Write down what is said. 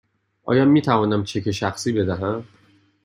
آیا می توانم چک شخصی بدهم؟